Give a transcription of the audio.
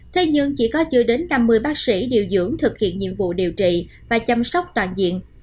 thế nhưng chỉ có chưa đến năm mươi bác sĩ điều dưỡng thực hiện nhiệm vụ điều trị và chăm sóc toàn diện